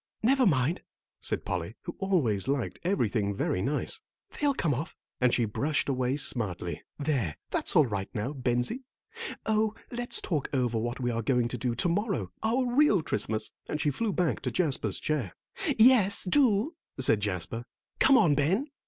"Never mind," said Polly, who always liked everything very nice, "they'll come off," and she brushed away smartly. "There, that's all right now, Bensie. Oh, let's talk over what we are going to do to morrow, our real Christmas," and she flew back to Jasper's chair. "Yes, do," said Jasper. "Come on, Ben."